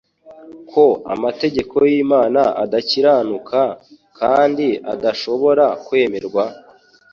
ko amategeko y'Imana adakiranuka, kandi ko adashobora kwemerwa.